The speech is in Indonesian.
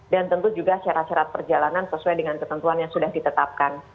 dan tentu juga syarat syarat perjalanan sesuai dengan ketentuan yang sudah ditetapkan